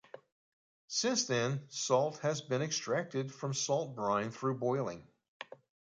Since then salt has been extracted from salt brine through boiling.